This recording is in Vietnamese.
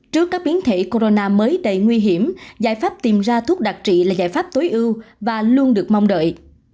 trước các biến thể corona mới đầy nguy hiểm giải pháp tìm ra thuốc đặc trị là giải pháp tối ưu và luôn được mong đợi